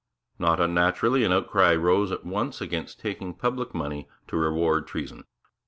Not unnaturally an outcry rose at once against taking public money to reward treason.